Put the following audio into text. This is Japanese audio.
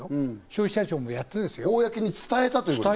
消費者庁もやってる、公に伝えた。